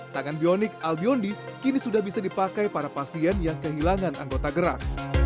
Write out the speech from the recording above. tangan bionik albiondi kini sudah bisa dipakai para pasien yang kehilangan anggota gerak